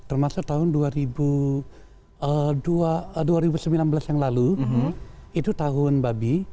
termasuk tahun dua ribu sembilan belas yang lalu itu tahun babi